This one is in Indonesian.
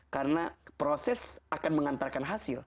karena proses akan mengantarkan hasil